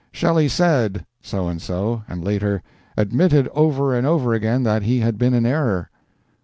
"Shelley said" so and so and later "admitted over and over again that he had been in error."